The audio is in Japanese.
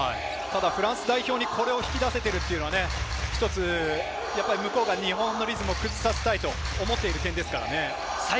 フランス代表にこれを引き出せているというのは日本のリズムを崩させたいと思っている点です。